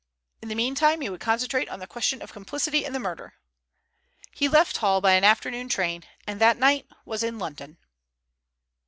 In the meantime he would concentrate on the question of complicity in the murder. He left Hull by an afternoon train, and that night was in London.